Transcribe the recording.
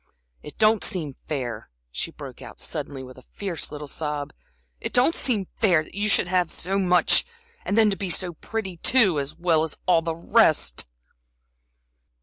"It don't seem fair," she broke out, suddenly, with a fierce little sob; "it don't seem fair, that you should have so much and then to be so pretty too, as well as all the rest!"